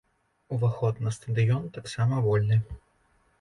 Уваход на стадыён таксама вольны.